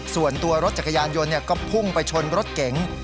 ส่วนตัวรถจักรยานยนต์ก็พุ่งไปชนรถเก๋ง